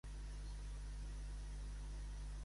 Per què va escriure les seves quedades?